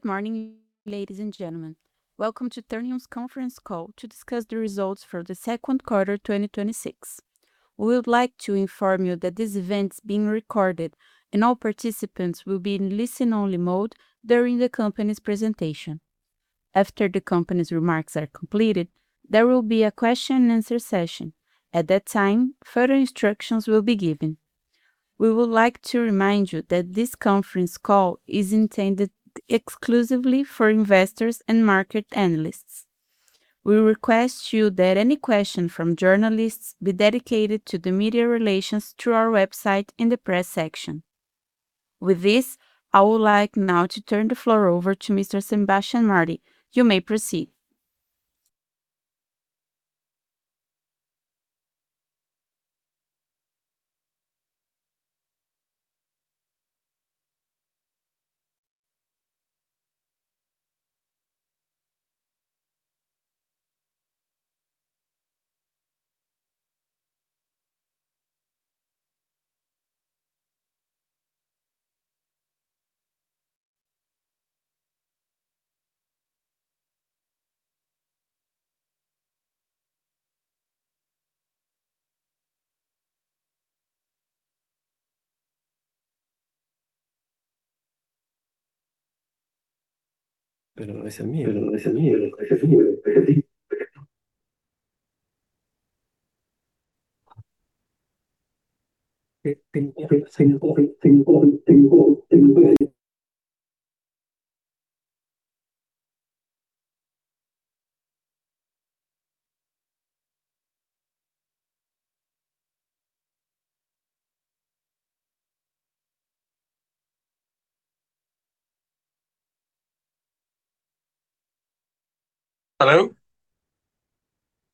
Good morning, ladies and gentlemen. Welcome to Ternium's conference call to discuss the results for the second quarter 2026. We would like to inform you that this event is being recorded and all participants will be in listen only mode during the company's presentation. After the company's remarks are completed, there will be a question-and-answer session. At that time, further instructions will be given. We would like to remind you that this conference call is intended exclusively for investors and market analysts. We request you that any question from journalists be dedicated to the media relations through our website in the press section. With this, I would like now to turn the floor over to Mr. Sebastián Martí. You may proceed.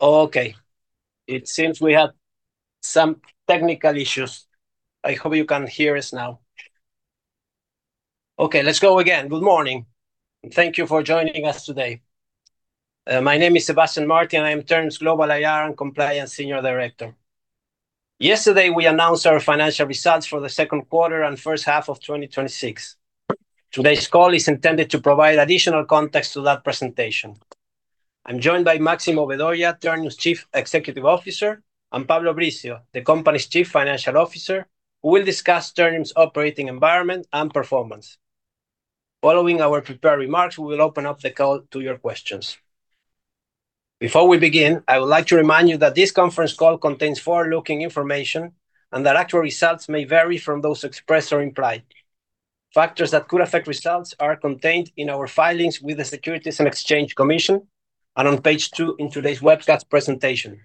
Hello? Okay. It seems we had some technical issues. I hope you can hear us now. Okay, let's go again. Good morning, and thank you for joining us today. My name is Sebastián Martí, and I'm Ternium's Global IR and Compliance Senior Director. Yesterday, we announced our financial results for the second quarter and first half of 2026. Today's call is intended to provide additional context to that presentation. I'm joined by Máximo Vedoya, Ternium's Chief Executive Officer, and Pablo Brizzio, the company's Chief Financial Officer, who will discuss Ternium's operating environment and performance. Following our prepared remarks, we will open up the call to your questions. Before we begin, I would like to remind you that this conference call contains forward-looking information and that actual results may vary from those expressed or implied. Factors that could affect results are contained in our filings with the Securities and Exchange Commission and on page two in today's webcast presentation.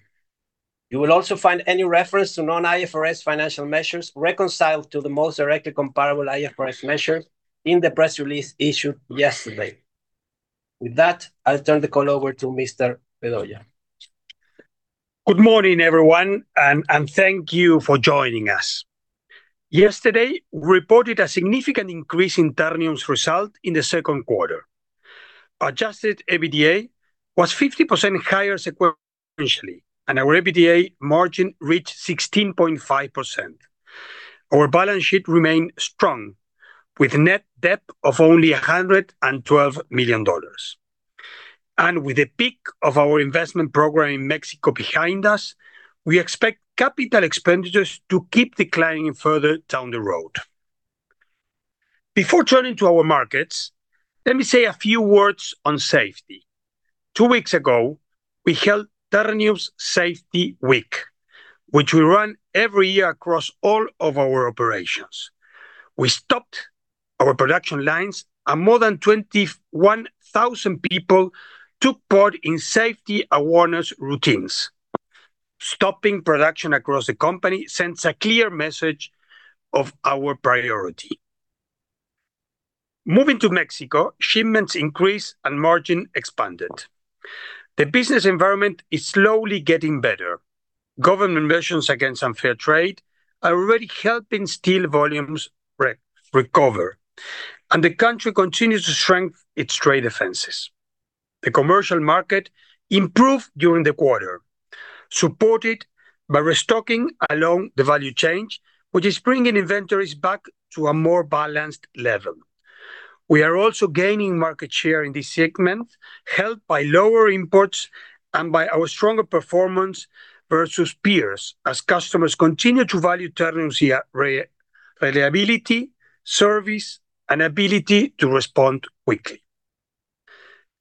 You will also find any reference to non-IFRS financial measures reconciled to the most directly comparable IFRS measure in the press release issued yesterday. With that, I'll turn the call over to Mr. Vedoya. Good morning, everyone, and thank you for joining us. Yesterday, we reported a significant increase in Ternium's result in the second quarter. Adjusted EBITDA was 50% higher sequentially, and our EBITDA margin reached 16.5%. Our balance sheet remained strong with net debt of only $112 million. With the peak of our investment program in Mexico behind us, we expect capital expenditures to keep declining further down the road. Before turning to our markets, let me say a few words on safety. Two weeks ago, we held Ternium's Safety Week, which we run every year across all of our operations. We stopped our production lines and more than 21,000 people took part in safety awareness routines. Stopping production across the company sends a clear message of our priority. Moving to Mexico, shipments increased and margin expanded. The business environment is slowly getting better. Government measures against unfair trade are already helping steel volumes recover. The country continues to strengthen its trade defenses. The commercial market improved during the quarter, supported by restocking along the value chain, which is bringing inventories back to a more balanced level. We are also gaining market share in this segment, helped by lower imports and by our stronger performance versus peers as customers continue to value Ternium's reliability, service, and ability to respond quickly.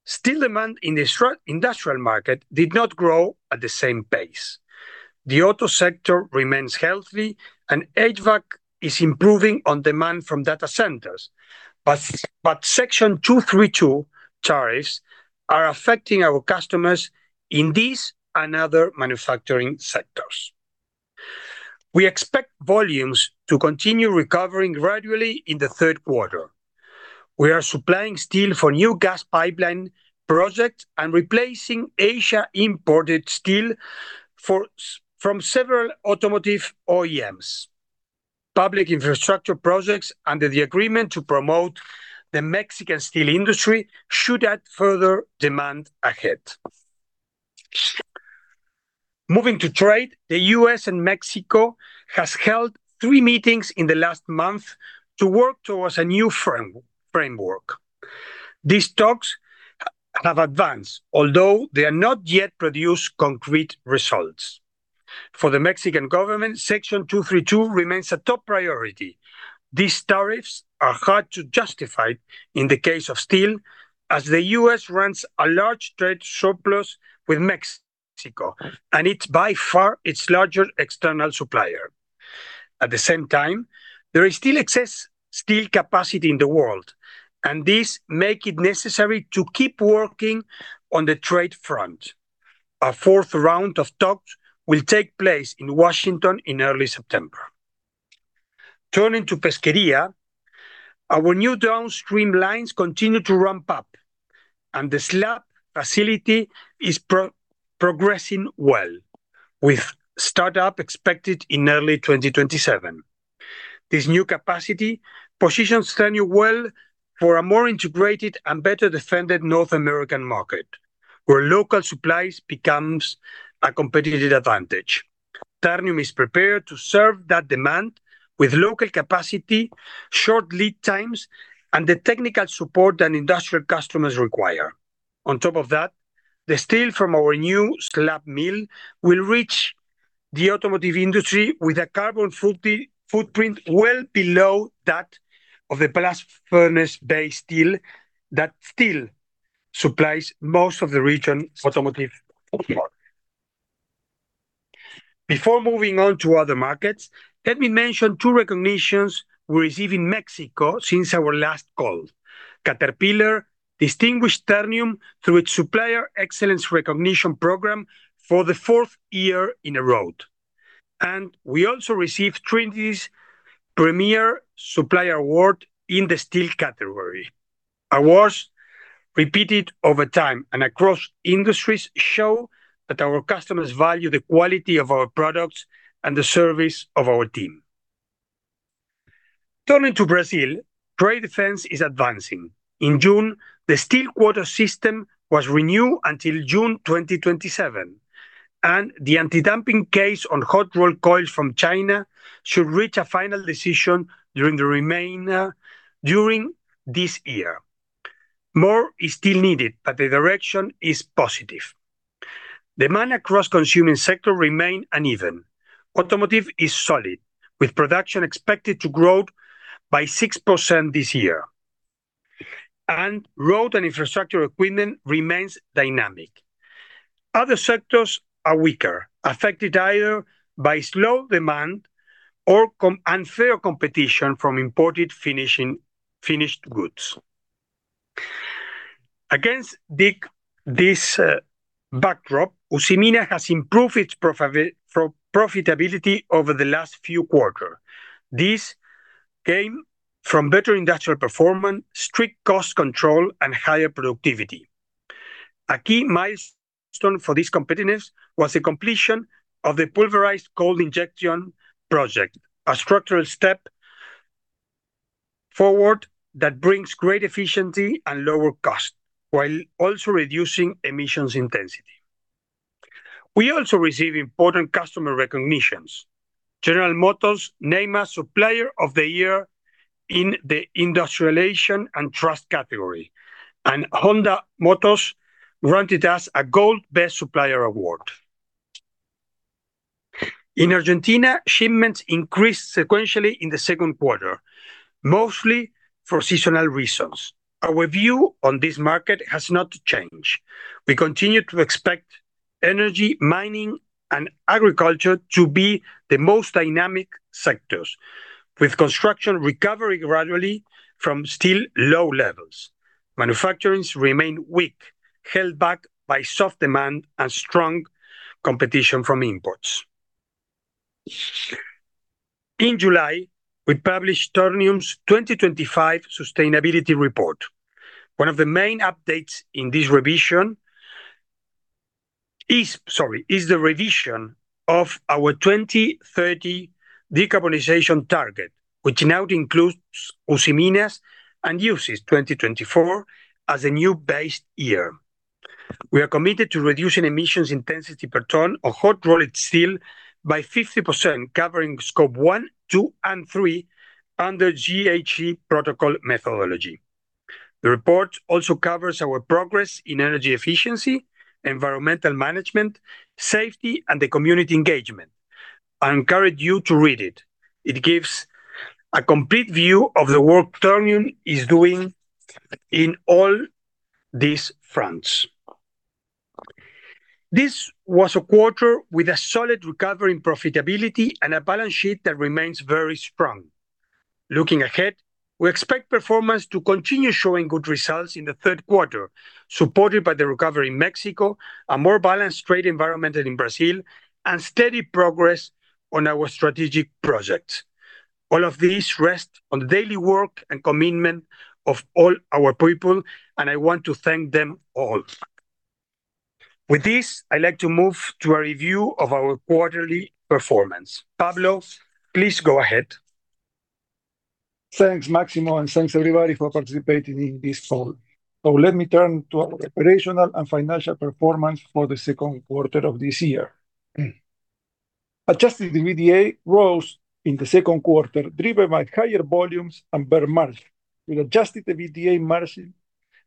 Steel demand in the industrial market did not grow at the same pace. The auto sector remains healthy, and HVAC is improving on demand from data centers. Section 232 tariffs are affecting our customers in this and other manufacturing sectors. We expect volumes to continue recovering gradually in the third quarter. We are supplying steel for new gas pipeline projects and replacing Asia-imported steel from several automotive OEMs. Public infrastructure projects under the agreement to promote the Mexican steel industry should add further demand ahead. Moving to trade, the U.S. and Mexico have held three meetings in the last month to work towards a new framework. These talks have advanced, although they have not yet produced concrete results. For the Mexican government, Section 232 remains a top priority. These tariffs are hard to justify in the case of steel, as the U.S. runs a large trade surplus with Mexico, and it's by far its larger external supplier. At the same time, there is still excess steel capacity in the world, and this makes it necessary to keep working on the trade front. A fourth round of talks will take place in Washington in early September. Turning to Pesquería, our new downstream lines continue to ramp up, and the slab facility is progressing well, with startup expected in early 2027. This new capacity positions Ternium well for a more integrated and better-defended North American market, where local supplies becomes a competitive advantage. Ternium is prepared to serve that demand with local capacity, short lead times, and the technical support that industrial customers require. On top of that, the steel from our new slab mill will reach the automotive industry with a carbon footprint well below that of the blast furnace-based steel that still supplies most of the region's automotive needs. Before moving on to other markets, let me mention two recognitions we received in Mexico since our last call. Caterpillar distinguished Ternium through its Supplier Excellence Recognition program for the fourth year in a row. We also received Trinity's Premier Supplier Award in the steel category. Awards repeated over time and across industries show that our customers value the quality of our products and the service of our team. Turning to Brazil, trade defense is advancing. In June, the steel quota system was renewed until June 2027, and the anti-dumping case on hot rolled coils from China should reach a final decision during this year. More is still needed, but the direction is positive. Demand across consuming sectors remain uneven. Automotive is solid, with production expected to grow by 6% this year. Road and infrastructure equipment remains dynamic. Other sectors are weaker, affected either by slow demand or unfair competition from imported finished goods. Against this backdrop, Usiminas has improved its profitability over the last few quarters. This came from better industrial performance, strict cost control, and higher productivity. A key milestone for this competitiveness was the completion of the pulverized coal injection project, a structural step forward that brings great efficiency and lower cost, while also reducing emissions intensity. We also received important customer recognitions. General Motors named us Supplier of the Year in the Industrialization and Trust category, and Honda Motor Co. granted us a Gold Best Supplier award. In Argentina, shipments increased sequentially in the second quarter, mostly for seasonal reasons. Our view on this market has not changed. We continue to expect energy, mining, and agriculture to be the most dynamic sectors, with construction recovering gradually from still low levels. Manufacturing remains weak, held back by soft demand and strong competition from imports. In July, we published Ternium's 2025 sustainability report. One of the main updates in this revision is the revision of our 2030 decarbonization target, which now includes Usiminas and uses 2024 as a new base year. We are committed to reducing emissions intensity per ton of hot-rolled steel by 50%, covering Scope 1, 2, and 3 under GHG protocol methodology. The report also covers our progress in energy efficiency, environmental management, safety, and community engagement. I encourage you to read it. It gives a complete view of the work Ternium is doing in all these fronts. This was a quarter with a solid recovery in profitability and a balance sheet that remains very strong. Looking ahead, we expect performance to continue showing good results in the third quarter, supported by the recovery in Mexico, a more balanced trade environment in Brazil, and steady progress on our strategic projects. All of this rests on the daily work and commitment of all our people, and I want to thank them all. With this, I'd like to move to a review of our quarterly performance. Pablo, please go ahead. Thanks, Máximo, and thanks everybody for participating in this call. Let me turn to our operational and financial performance for the second quarter of this year. Adjusted EBITDA rose in the second quarter, driven by higher volumes and better margin, with adjusted EBITDA margin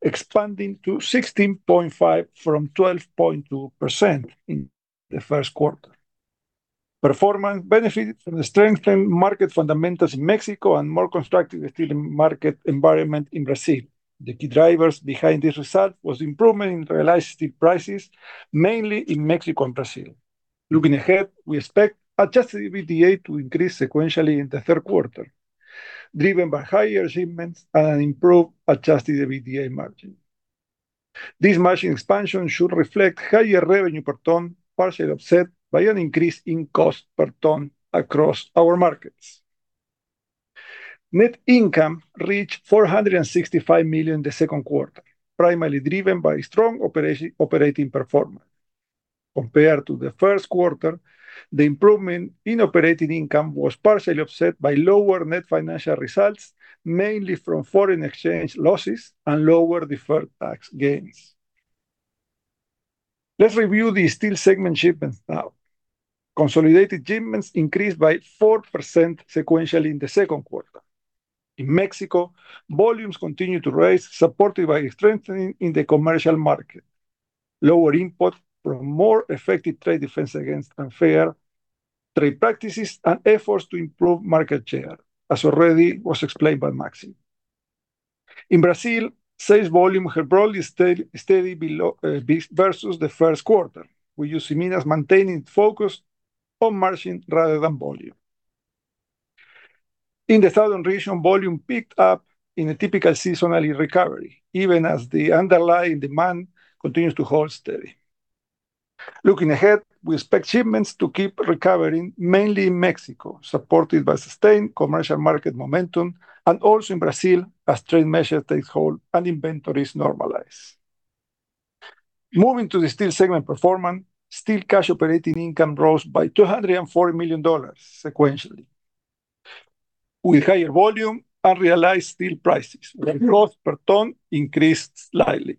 expanding to 16.5% from 12.2% in the first quarter. Performance benefited from the strengthened market fundamentals in Mexico and more constructive steel market environment in Brazil. The key drivers behind this result was improvement in realized steel prices, mainly in Mexico and Brazil. Looking ahead, we expect adjusted EBITDA to increase sequentially in the third quarter, driven by higher shipments and an improved adjusted EBITDA margin. This margin expansion should reflect higher revenue per ton, partially offset by an increase in cost per ton across our markets. Net income reached $465 million in the second quarter, primarily driven by strong operating performance. Compared to the first quarter, the improvement in operating income was partially offset by lower net financial results, mainly from foreign exchange losses and lower deferred tax gains. Let's review the steel segment shipments now. Consolidated shipments increased by 4% sequentially in the second quarter. In Mexico, volumes continued to rise, supported by strengthening in the commercial market, lower input from more effective trade defense against unfair trade practices, and efforts to improve market share, as already was explained by Máximo. In Brazil, sales volume held broadly steady versus the first quarter, with Usiminas maintaining focus on margin rather than volume. In the southern region, volume picked up in a typical seasonality recovery, even as the underlying demand continues to hold steady. Looking ahead, we expect shipments to keep recovering, mainly in Mexico, supported by sustained commercial market momentum and also in Brazil as trade measure takes hold and inventories normalize. Moving to the steel segment performance, steel cash operating income rose by $240 million sequentially, with higher volume and realized steel prices. The cost per ton increased slightly.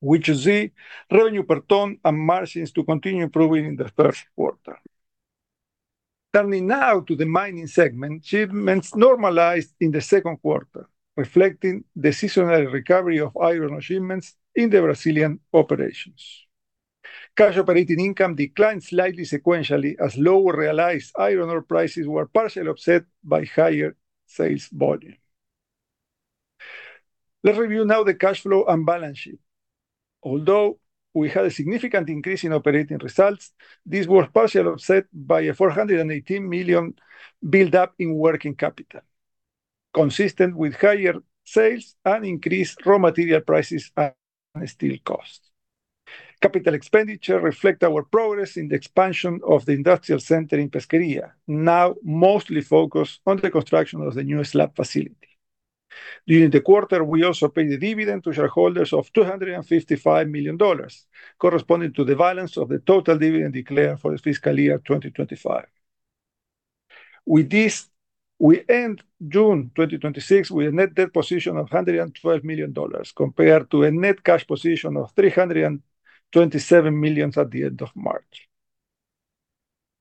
We should see revenue per ton and margins to continue improving in the third quarter. Turning now to the mining segment. Shipments normalized in the second quarter, reflecting the seasonal recovery of iron ore shipments in the Brazilian operations. Cash operating income declined slightly sequentially as lower realized iron ore prices were partially offset by higher sales volume. Let's review now the cash flow and balance sheet. Although we had a significant increase in operating results, this was partially offset by a $418 million build-up in working capital, consistent with higher sales and increased raw material prices and steel costs. Capital expenditure reflect our progress in the expansion of the industrial center in Pesquería, now mostly focused on the construction of the new slab facility. During the quarter, we also paid a dividend to shareholders of $255 million, corresponding to the balance of the total dividend declared for the fiscal year 2025. With this, we end June 2026 with a net debt position of $112 million, compared to a net cash position of $327 million at the end of March.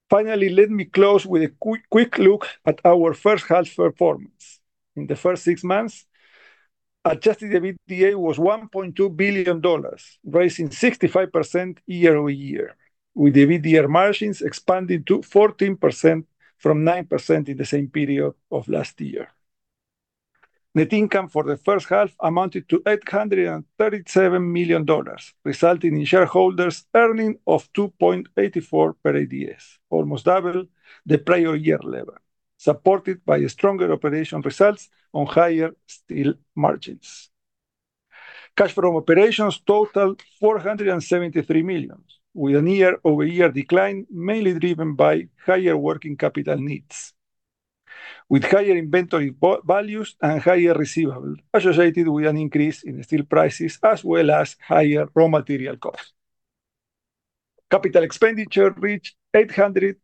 Finally, let me close with a quick look at our first half performance. In the first six months, adjusted EBITDA was $1.2 billion, rising 65% year-over-year, with EBITDA margins expanding to 14% from 9% in the same period of last year. Net income for the first half amounted to $837 million, resulting in shareholders earning of $2.84 per ADS, almost double the prior year level, supported by stronger operation results on higher steel margins. Cash from operations totaled $473 million, with a year-over-year decline mainly driven by higher working capital needs, with higher inventory values and higher receivable associated with an increase in steel prices, as well as higher raw material costs. Capital expenditure reached $837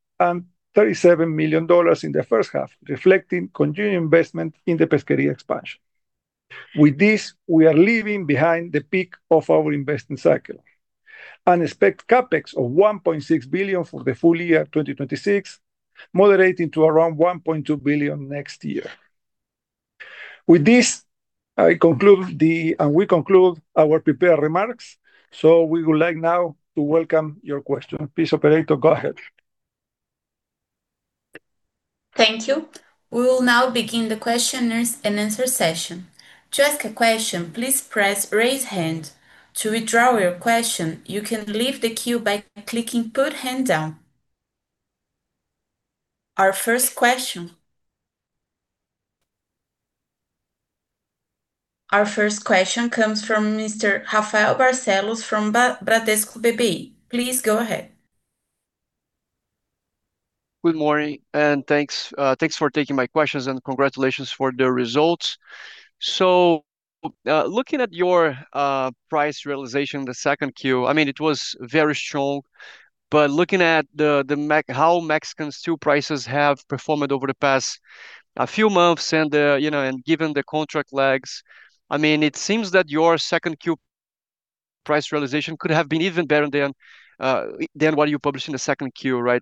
million in the first half, reflecting continued investment in the Pesquería expansion. With this, we are leaving behind the peak of our investment cycle and expect CapEx of $1.6 billion for the full-year 2026, moderating to around $1.2 billion next year. With this, we conclude our prepared remarks. We would like now to welcome your questions. Please, operator, go ahead. Thank you. We will now begin the question-and-answer session. To ask a question, please press raise hand. To withdraw your question, you can leave the queue by clicking put hand down. Our first question comes from Mr. Rafael Barcellos from Bradesco BBI. Please go ahead. Good morning, thanks for taking my questions and congratulations for the results. Looking at your price realization in the second quarter, it was very strong. Looking at how Mexican steel prices have performed over the past few months and given the contract lags, it seems that your second quarter price realization could have been even better than what you published in the second quarter.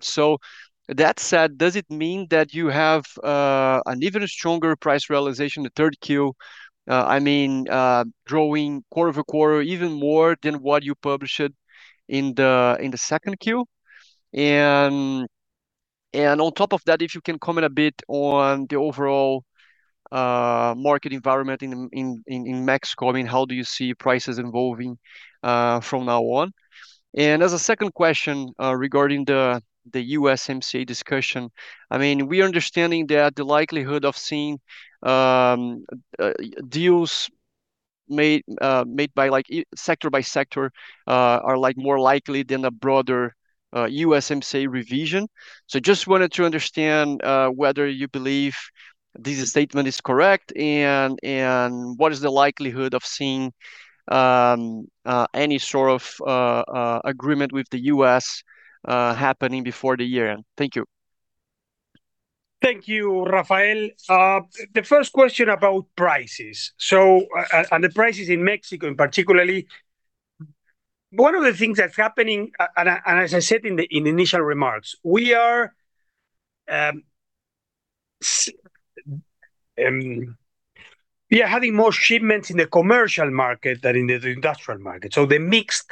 That said, does it mean that you have an even stronger price realization in the third quarter, growing quarter-over-quarter even more than what you published in the second quarter? On top of that, if you can comment a bit on the overall market environment in Mexico, how do you see prices evolving from now on? As a second question regarding the USMCA discussion, we are understanding that the likelihood of seeing deals made sector by sector are more likely than a broader USMCA revision. Just wanted to understand whether you believe this statement is correct, and what is the likelihood of seeing any sort of agreement with the U.S. happening before the year-end. Thank you. Thank you, Rafael. The first question about prices, the prices in Mexico particularly. One of the things that is happening, as I said in the initial remarks, we are having more shipments in the commercial market than in the industrial market. The mix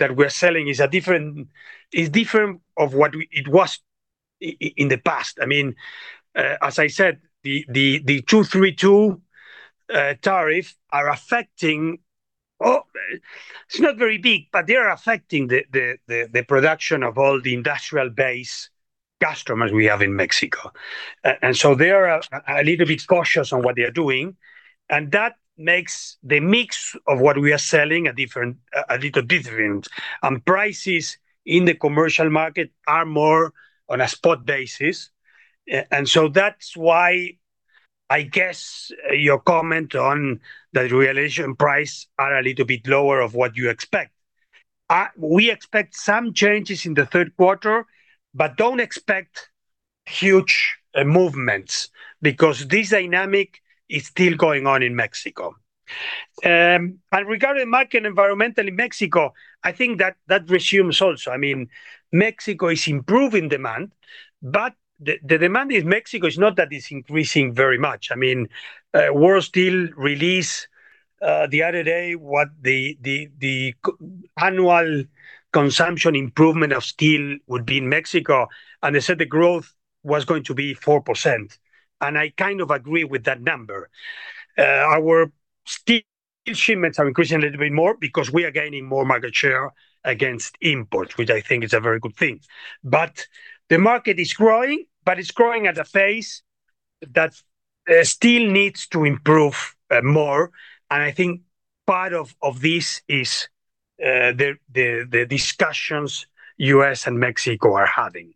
that we are selling is different of what it was in the past. As I said, the 232 tariff, it is not very big, but they are affecting the production of all the industrial base customers we have in Mexico. They are a little bit cautious on what they are doing, and that makes the mix of what we are selling a little different. Prices in the commercial market are more on a spot basis. That is why, I guess, your comment on the realization price are a little bit lower of what you expect. We expect some changes in the third quarter, but don't expect huge movements because this dynamic is still going on in Mexico. Regarding market environment in Mexico, I think that resumes also. Mexico is improving demand, but the demand in Mexico is not that it is increasing very much. World Steel released the other day what the annual consumption improvement of steel would be in Mexico, and they said the growth was going to be 4%, and I kind of agree with that number. Our steel shipments are increasing a little bit more because we are gaining more market share against imports, which I think is a very good thing. The market is growing, but it is growing at a phase that still needs to improve more. I think part of this is the discussions U.S. and Mexico are having.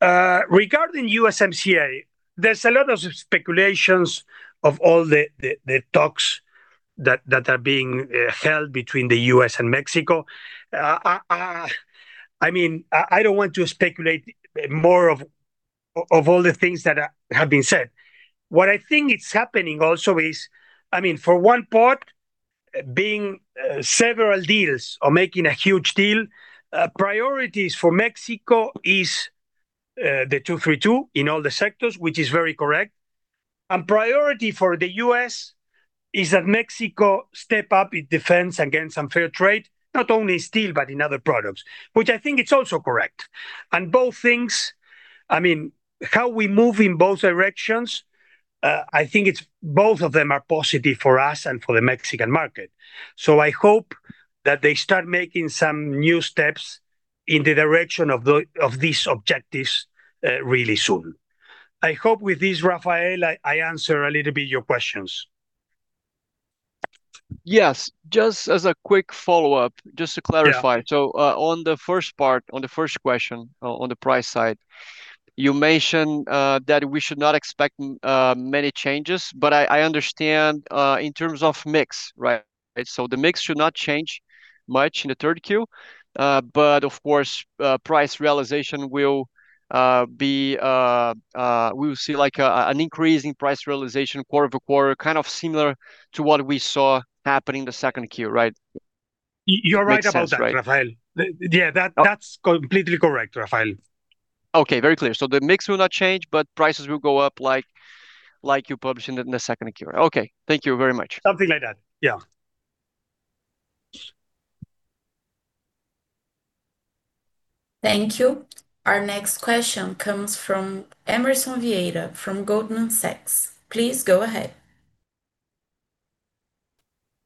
Regarding USMCA, there is a lot of speculations of all the talks that are being held between the U.S. and Mexico. I don't want to speculate more of all the things that have been said. What I think it is happening also is, for one part, being several deals or making a huge deal, priorities for Mexico is the 232 in all the sectors, which is very correct. Priority for the U.S. is that Mexico step up its defense against unfair trade, not only steel, but in other products, which I think it is also correct. Both things, how we move in both directions, I think both of them are positive for us and for the Mexican market. I hope that they start making some new steps in the direction of these objectives really soon. I hope with this, Rafael, I answer a little bit your questions. Yes. Just as a quick follow-up, just to clarify. Yeah? On the first part, on the first question, on the price side, you mentioned that we should not expect many changes, but I understand, in terms of mix. The mix should not change much in the third quarter, but of course, we will see an increase in price realization quarter-over-quarter, kind of similar to what we saw happen in the second quarter, right? You're right about that, Rafael. Makes sense, right? Yeah, that's completely correct, Rafael. Okay, very clear. The mix will not change, but prices will go up like you published in the second quarter. Okay, thank you very much. Something like that. Yeah. Thank you. Our next question comes from Emerson Vieira from Goldman Sachs. Please go ahead.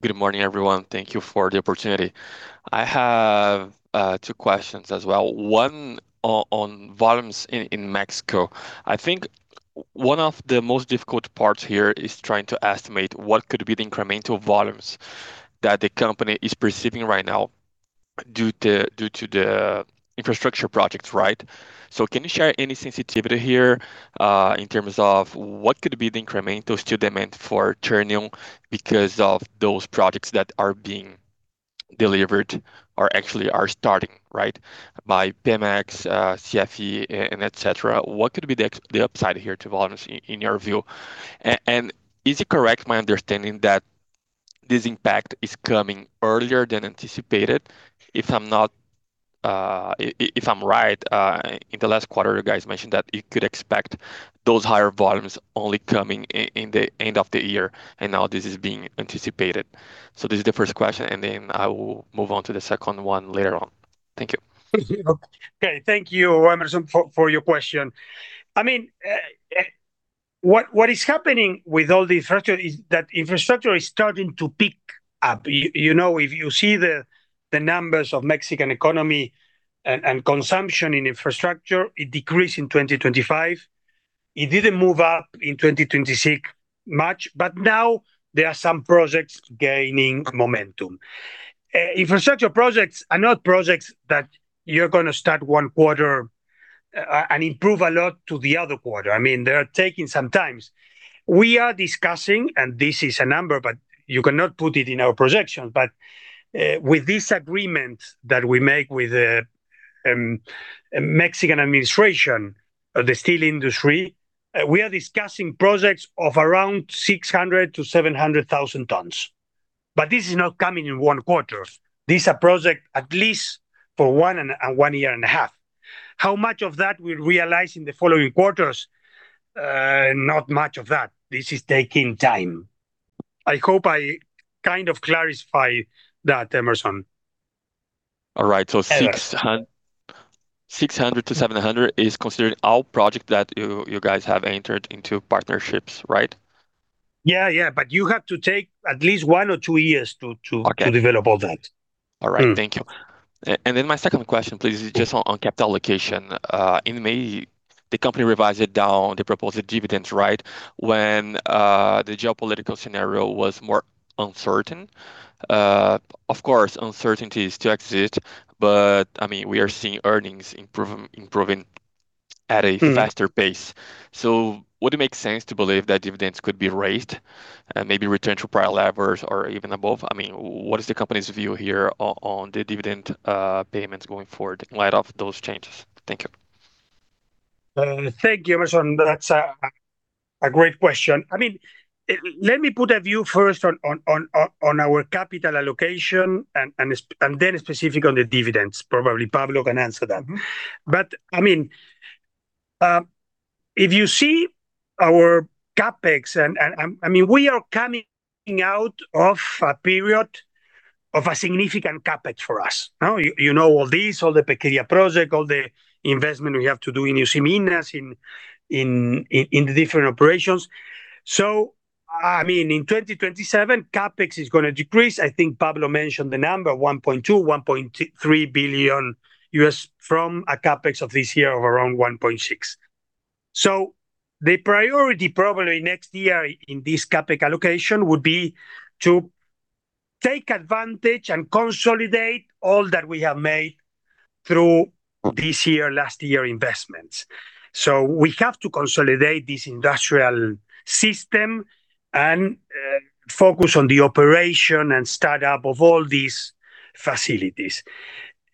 Good morning, everyone. Thank you for the opportunity. I have two questions as well. One on volumes in Mexico. I think one of the most difficult parts here is trying to estimate what could be the incremental volumes that the company is perceiving right now due to the infrastructure projects, right? Can you share any sensitivity here in terms of what could be the incremental steel demand for Ternium because of those projects that are being delivered, or actually are starting by Pemex, CFE, etc? What could be the upside here to volumes in your view? Is it correct, my understanding that this impact is coming earlier than anticipated? If I'm right, in the last quarter, you guys mentioned that you could expect those higher volumes only coming in the end of the year, now this is being anticipated. This is the first question, then I will move on to the second one later on. Thank you. Okay. Thank you, Emerson, for your question. What is happening with all the infrastructure is that infrastructure is starting to pick up. If you see the numbers of Mexican economy and consumption in infrastructure, it decreased in 2025. It didn't move up in 2026 much, now there are some projects gaining momentum. Infrastructure projects are not projects that you're going to start one quarter and improve a lot to the other quarter. They are taking some times. We are discussing, this is a number, you cannot put it in our projection, with this agreement that we make with the Mexican administration of the steel industry, we are discussing projects of around 600,000-700,000 tons. This is not coming in one quarter. These are project at least for 1.5 years. How much of that we'll realize in the following quarters? Not much of that. This is taking time. I hope I kind of clarified that, Emerson. All right. 600,000-700,000 is considered all project that you guys have entered into partnerships, right? Yeah. You have to take at least one or two years to develop all that. All right. Thank you. My second question, please, is just on capital allocation. In May, the company revised down the proposed dividends. When the geopolitical scenario was more uncertain. Of course, uncertainty still exist, but we are seeing earnings improving at a faster pace. Would it make sense to believe that dividends could be raised and maybe return to prior levels or even above? What is the company's view here on the dividend payments going forward in light of those changes? Thank you. Thank you, Emerson. That's a great question. Let me put a view first on our capital allocation then specific on the dividends. Probably Pablo can answer that. If you see our CapEx, we are coming out of a period of a significant CapEx for us. You know all this, all the Pesquería project, all the investment we have to do in Usiminas, in the different operations. In 2027, CapEx is going to decrease. I think Pablo mentioned the number, $1.2 billion-$1.3 billion from a CapEx of this year of around $1.6 billion. The priority probably next year in this CapEx allocation would be to take advantage and consolidate all that we have made through this year, last year investments. We have to consolidate this industrial system and focus on the operation and startup of all these facilities.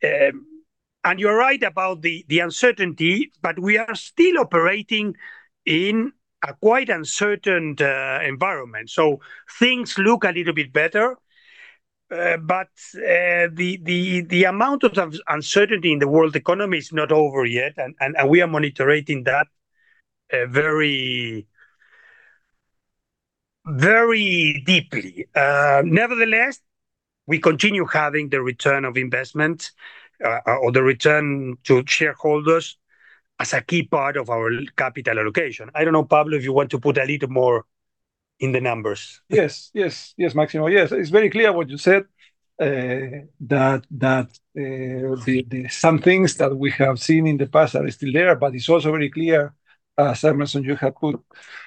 You're right about the uncertainty, but we are still operating in a quite uncertain environment, so things look a little bit better. The amount of uncertainty in the world economy is not over yet, and we are monitoring that very deeply. Nevertheless, we continue having the return of investment, or the return to shareholders as a key part of our capital allocation. I don't know, Pablo, if you want to put a little more in the numbers. Yes, Máximo. Yes, it's very clear what you said, that some things that we have seen in the past are still there, but it's also very clear, as Emerson, you have put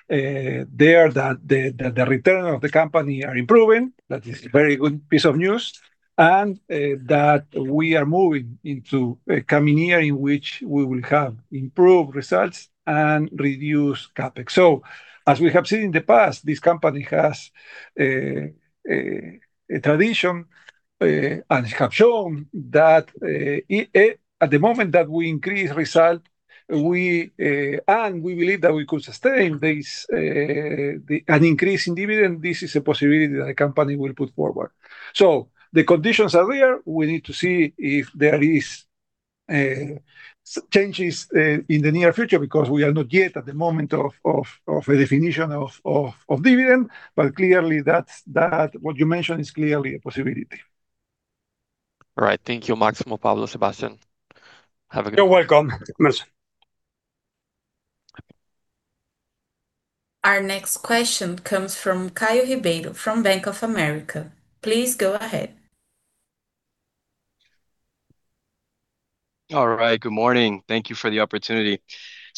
there, that the return of the company are improving. That is a very good piece of news, and that we are moving into a coming year in which we will have improved results and reduced CapEx. As we have seen in the past, this company has a tradition, and it have shown that at the moment that we increase result, and we believe that we could sustain an increase in dividend, this is a possibility that a company will put forward. The conditions are there. We need to see if there is changes in the near future, because we are not yet at the moment of a definition of dividend. Clearly what you mentioned is clearly a possibility. All right. Thank you, Máximo, Pablo, Sebastián. Have a good one. You're welcome, Emerson. Our next question comes from Caio Ribeiro from Bank of America. Please go ahead. All right. Good morning, thank you for the opportunity.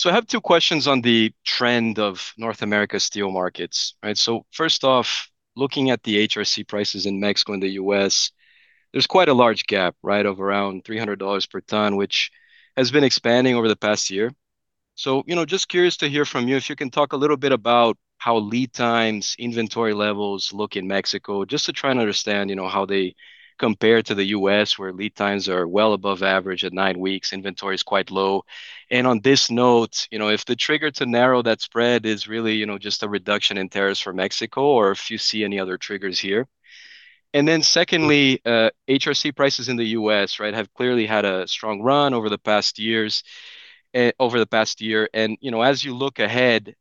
I have two questions on the trend of North America steel markets. First off, looking at the HRC prices in Mexico and the U.S., there's quite a large gap of around $300 per ton, which has been expanding over the past year. Just curious to hear from you, if you can talk a little bit about how lead times, inventory levels look in Mexico, just to try and understand how they compare to the U.S., where lead times are well above average at nine weeks, inventory is quite low. On this note, if the trigger to narrow that spread is really just a reduction in tariffs for Mexico or if you see any other triggers here. Secondly, HRC prices in the U.S. have clearly had a strong run over the past year. As you look ahead,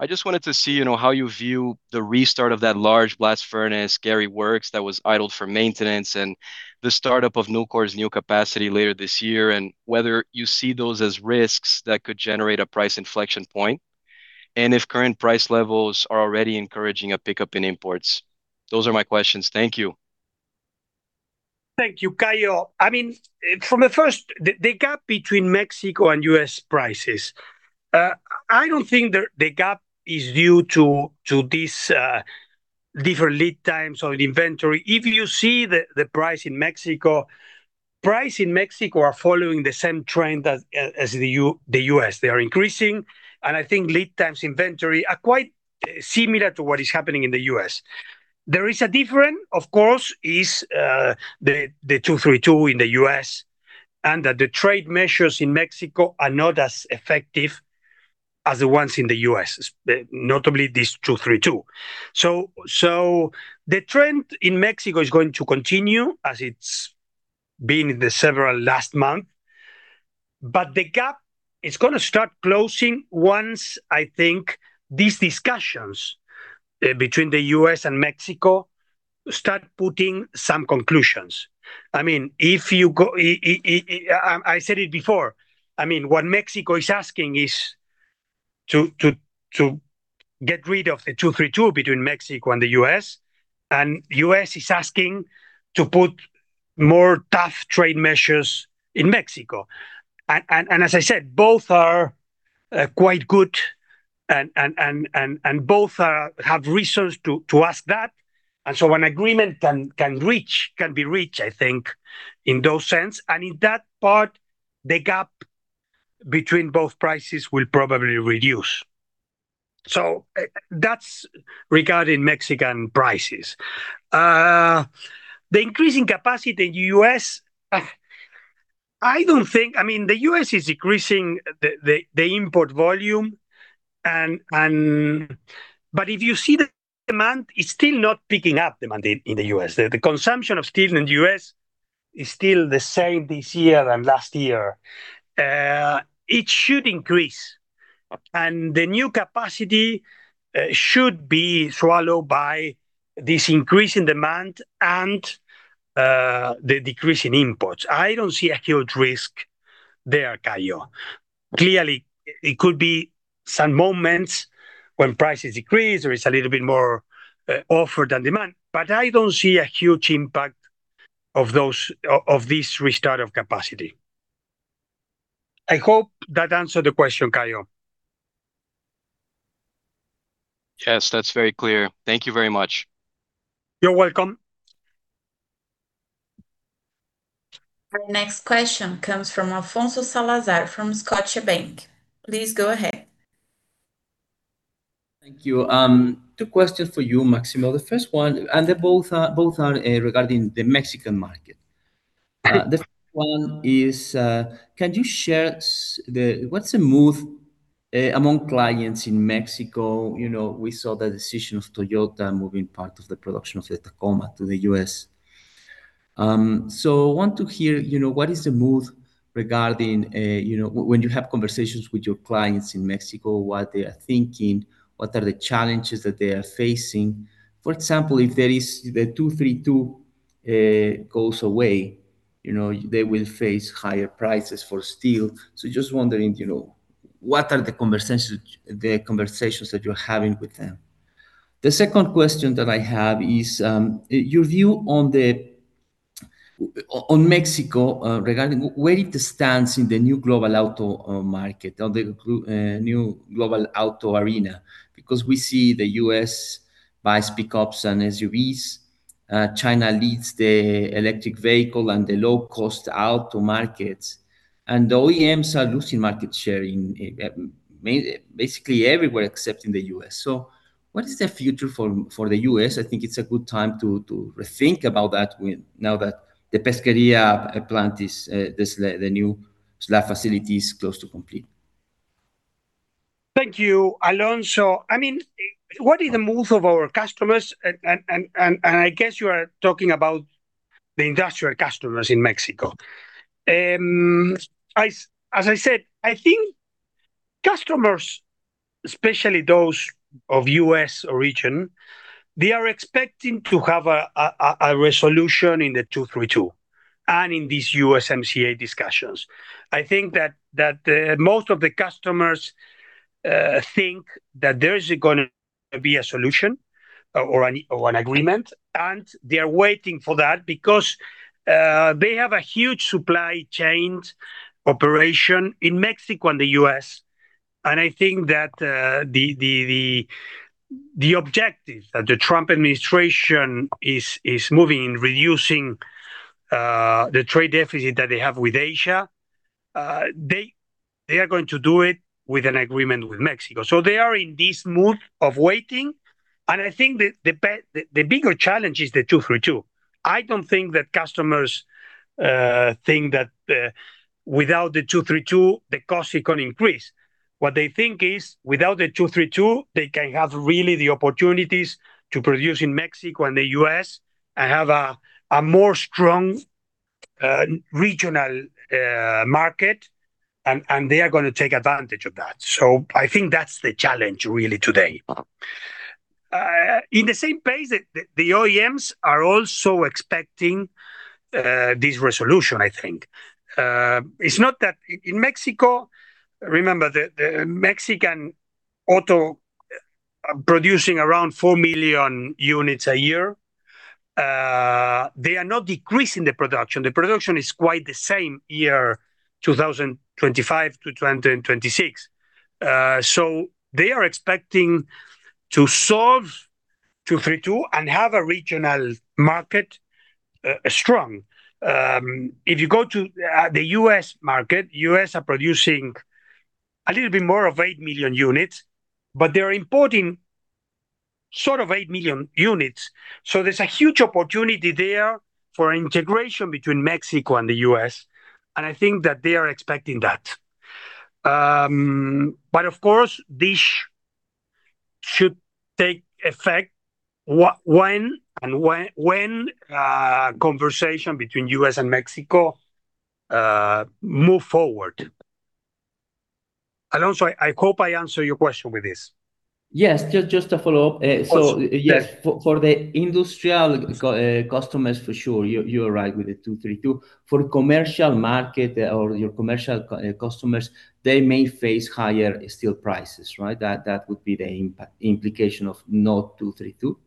I just wanted to see how you view the restart of that large blast furnace, Gary Works, that was idled for maintenance, and the startup of Nucor's new capacity later this year, and whether you see those as risks that could generate a price inflection point, and if current price levels are already encouraging a pickup in imports. Those are my questions. Thank you. Thank you, Caio. From the first, the gap between Mexico and U.S. prices, I don't think the gap is due to these different lead times or the inventory. If you see the price in Mexico, price in Mexico are following the same trend as the U.S. They are increasing, and I think lead times inventory are quite similar to what is happening in the U.S. There is a different, of course, is the 232 in the U.S., and that the trade measures in Mexico are not as effective as the ones in the U.S., notably this 232. The trend in Mexico is going to continue as it's been in the several last month, the gap is going to start closing once, I think, these discussions between the U.S. and Mexico start putting some conclusions. I said it before, what Mexico is asking is to get rid of the 232 between Mexico and the U.S., U.S. is asking to put more tough trade measures in Mexico. As I said, both are quite good and both have reasons to ask that. An agreement can be reached, I think, in those sense. In that part, the gap between both prices will probably reduce. That's regarding Mexican prices. The increasing capacity in U.S., the U.S. is increasing the import volume, but if you see the demand is still not picking up, demand in the U.S. The consumption of steel in the U.S. is still the same this year and last year. It should increase, and the new capacity should be swallowed by this increase in demand and the decrease in imports. I don't see a huge risk there, Caio. Clearly, it could be some moments when prices decrease or it's a little bit more offer than demand, I don't see a huge impact of this restart of capacity. I hope that answered the question, Caio. Yes, that's very clear. Thank you very much. You're welcome. Our next question comes from Alfonso Salazar from Scotiabank. Please go ahead. Thank you. Two questions for you, Máximo. Both are regarding the Mexican market. The first one is, can you share what's the move among clients in Mexico? We saw the decision of Toyota moving part of the production of the Tacoma to the U.S. Want to hear, what is the move regarding when you have conversations with your clients in Mexico, what they are thinking, what are the challenges that they are facing? For example, if the 232 goes away, they will face higher prices for steel. Just wondering, what are the conversations that you're having with them? The second question that I have is on Mexico, regarding where it stands in the new global auto market or the new global auto arena. We see the U.S. buys pickups and SUVs, China leads the electric vehicle and the low-cost auto markets, and OEMs are losing market share basically everywhere except in the U.S. What is the future for the U.S.? I think it's a good time to rethink about that now that the Pesquería plant, the new slab facility, is close to complete. Thank you, Alfonso. What is the mood of our customers? I guess you are talking about the industrial customers in Mexico. As I said, I think customers, especially those of U.S. origin, they are expecting to have a resolution in the 232 and in these USMCA discussions. I think that most of the customers think that there's going to be a solution or an agreement. They're waiting for that because they have a huge supply chain operation in Mexico and the U.S. I think that the objective that the Trump administration is moving in reducing the trade deficit that they have with Asia, they are going to do it with an agreement with Mexico. They are in this mood of waiting, and I think the bigger challenge is the 232. I don't think that customers think that without the 232, the cost can increase. What they think is, without the 232, they can have really the opportunities to produce in Mexico and the U.S. and have a more strong regional market, they are going to take advantage of that. I think that's the challenge really today. In the same pace, the OEMs are also expecting this resolution, I think. It's not that in Mexico, remember, the Mexican auto producing around 4 million units a year. They are not decreasing the production. The production is quite the same year, 2025 to 2026. They are expecting to solve 232 and have a regional market strong. If you go to the U.S. market, U.S. are producing a little bit more of 8 million units, but they're importing sort of 8 million units. There's a huge opportunity there for integration between Mexico and the U.S., I think that they are expecting that. Of course, this should take effect when conversation between U.S. and Mexico move forward. Alfonso, I hope I answer your question with this. Yes. Just to follow up. Yes? For the industrial customers, for sure, you're right with the 232. For commercial market or your commercial customers, they may face higher steel prices, right? That would be the implication of no 232.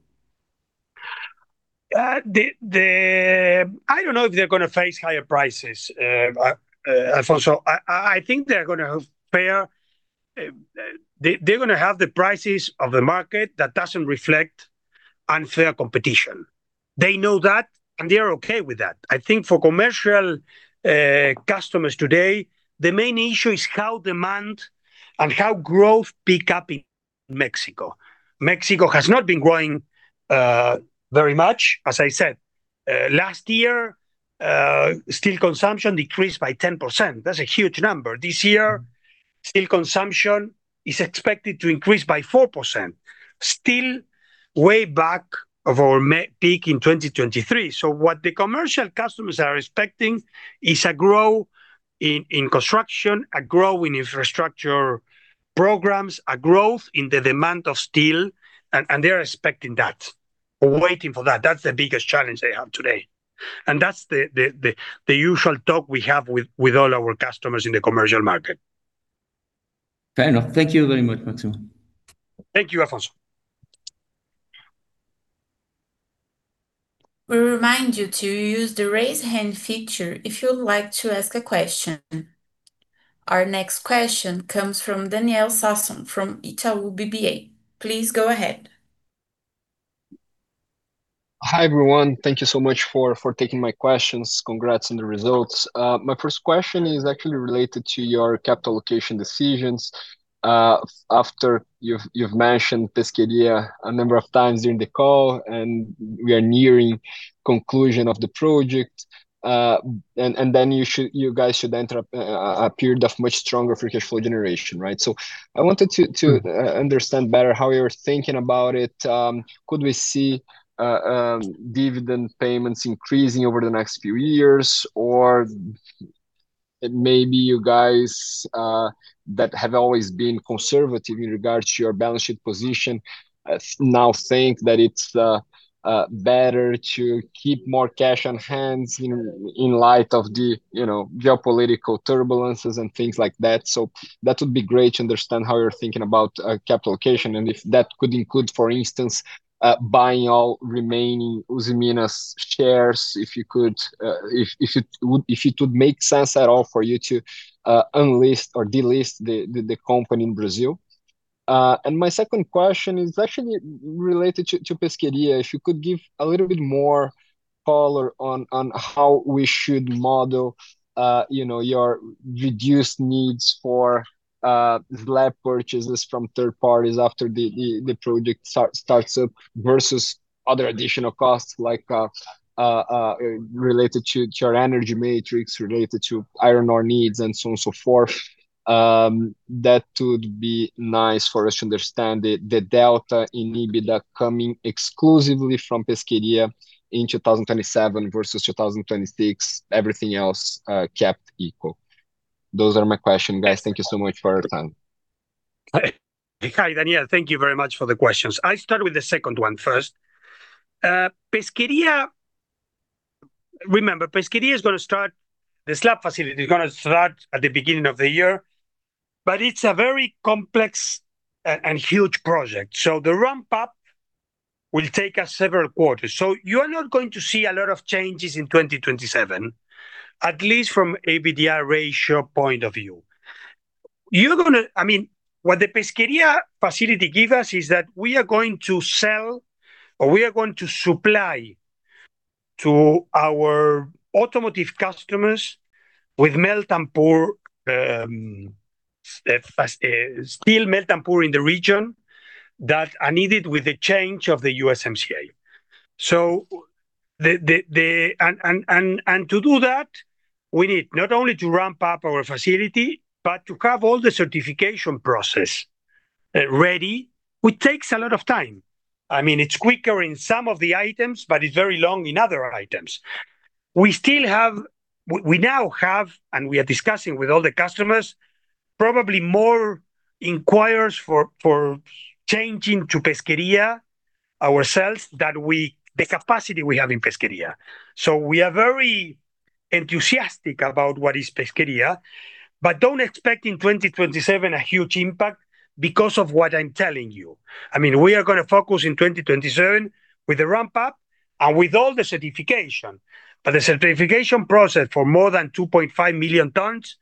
I don't know if they're going to face higher prices, Alfonso. I think they're going to have the prices of the market that doesn't reflect unfair competition. They know that, and they're okay with that. I think for commercial customers today, the main issue is how demand and how growth pick up in Mexico. Mexico has not been growing very much, as I said. Last year, steel consumption decreased by 10%. That's a huge number. This year, steel consumption is expected to increase by 4%, still way back of our peak in 2023. What the commercial customers are expecting is a growth in construction, a growth in infrastructure programs, a growth in the demand of steel, and they're expecting that or waiting for that. That's the biggest challenge they have today. That's the usual talk we have with all our customers in the commercial market. Fair enough. Thank you very much, Máximo. Thank you, Alfonso. We remind you to use the raise hand feature if you'd like to ask a question. Our next question comes from Daniel Sasson from Itaú BBA. Please go ahead. Hi, everyone. Thank you so much for taking my questions. Congrats on the results. My first question is actually related to your capital allocation decisions. After you've mentioned Pesquería a number of times during the call and we are nearing conclusion of the project. Then you guys should enter a period of much stronger free cash flow generation, right? I wanted to understand better how you're thinking about it. Could we see dividend payments increasing over the next few years? Maybe you guys that have always been conservative in regards to your balance sheet position now think that it's better to keep more cash on hand in light of the geopolitical turbulences and things like that. That would be great to understand how you're thinking about capital allocation, and if that could include, for instance, buying all remaining Usiminas shares, if it would make sense at all for you to unlist or delist the company in Brazil. My second question is actually related to Pesquería. If you could give a little bit more color on how we should model your reduced needs for slab purchases from third parties after the project starts up versus other additional costs like related to your energy matrix, related to iron ore needs and so on and so forth. That would be nice for us to understand the delta in EBITDA coming exclusively from Pesquería in 2027 versus 2026, everything else kept equal. Those are my question, guys. Thank you so much for your time. Hi, Daniel. Thank you very much for the questions. I start with the second one first. Pesquería. Remember, Pesquería, the slab facility, is going to start at the beginning of the year, but it's a very complex and huge project. The ramp-up will take us several quarters. You are not going to see a lot of changes in 2027, at least from EBITDA ratio point of view. What the Pesquería facility gives us is that we are going to sell or we are going to supply to our automotive customers with steel melt and pour in the region that are needed with the change of the USMCA. To do that, we need not only to ramp up our facility, but to have all the certification process ready, which takes a lot of time. It's quicker in some of the items, but it's very long in other items. We now have, and we are discussing with all the customers, probably more inquiries for changing to Pesquería ourselves than the capacity we have in Pesquería. We are very enthusiastic about what is Pesquería, but don't expect in 2027 a huge impact because of what I'm telling you. We are going to focus in 2027 with the ramp-up and with all the certification. The certification process for more than 2.5 million tons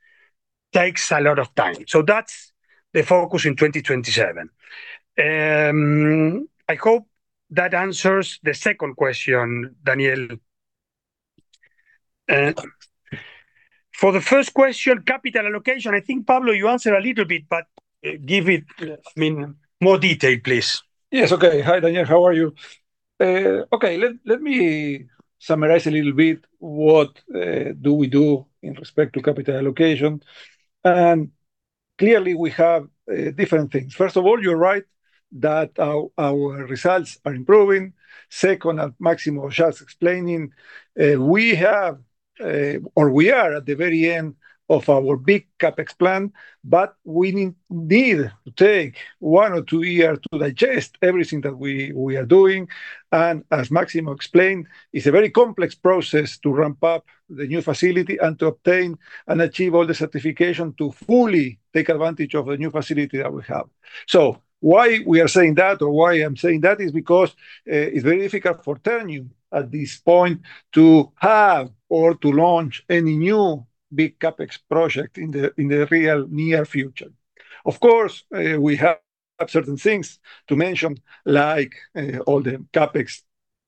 takes a lot of time. That's the focus in 2027. I hope that answers the second question, Daniel. For the first question, capital allocation, I think Pablo you answered a little bit, but give it more detail, please. Yes. Okay. Hi, Daniel, how are you? Okay, let me summarize a little bit what do we do in respect to capital allocation. Clearly we have different things. First of all, you're right that our results are improving. Second, as Máximo was just explaining, we are at the very end of our big CapEx plan, but we need to take one or two years to digest everything that we are doing. As Máximo explained, it's a very complex process to ramp up the new facility and to obtain and achieve all the certification to fully take advantage of the new facility that we have. Why we are saying that or why I'm saying that is because it's very difficult for Ternium at this point to have or to launch any new big CapEx project in the real near future. Of course, we have certain things to mention, like all the CapEx,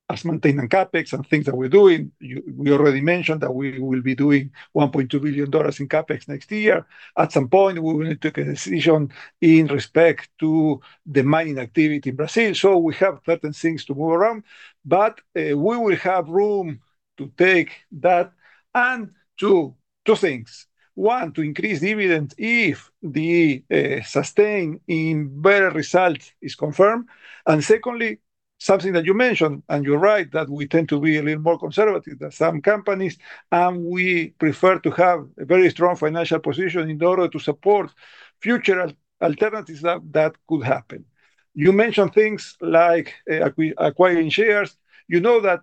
as maintenance CapEx and things that we're doing. We already mentioned that we will be doing $1.2 billion in CapEx next year. At some point, we will need to take a decision in respect to the mining activity in Brazil. We have certain things to move around, but we will have room to take that and two things. One, to increase dividends if the sustain in better results is confirmed and secondly, something that you mentioned, and you're right, that we tend to be a little more conservative than some companies, and we prefer to have a very strong financial position in order to support future alternatives that could happen. You mentioned things like acquiring shares. You know that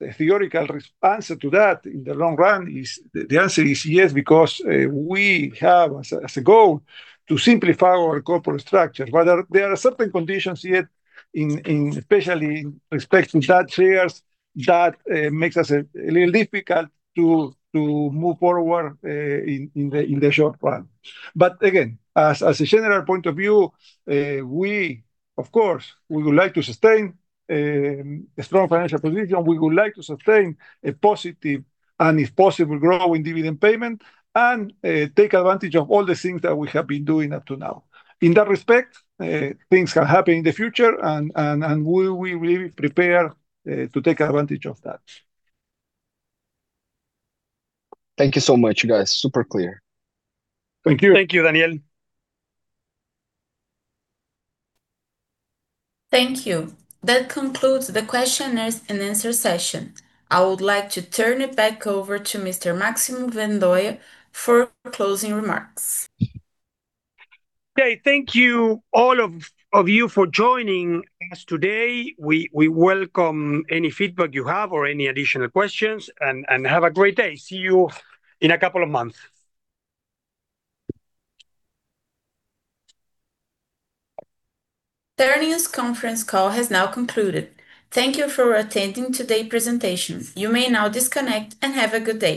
the theoretical answer to that in the long run is the answer is yes, because we have as a goal to simplify our corporate structure. There are certain conditions here, especially in respect to that shares, that makes us a little difficult to move forward in the short run. Again, as a general point of view, of course, we would like to sustain a strong financial position. We would like to sustain a positive and if possible, growing dividend payment and take advantage of all the things that we have been doing up to now. In that respect, things can happen in the future, and we will be prepared to take advantage of that. Thank you so much, you guys. Super clear. Thank you. Thank you, Daniel. Thank you. That concludes the question-and-answer session. I would like to turn it back over to Mr. Máximo Vedoya for closing remarks. Okay, thank you all of you for joining us today. We welcome any feedback you have or any additional questions, and have a great day. See you in a couple of months. Ternium's conference call has now concluded. Thank you for attending today's presentation. You may now disconnect and have a good day.